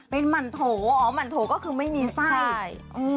เป็นมันโถอ๋อมันโถก็คือไม่มีไส้